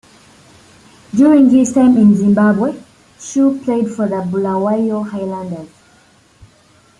During his time in Zimbabwe, Shue played for the Bulawayo Highlanders.